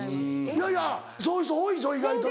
いやいやそういう人多いぞ意外と。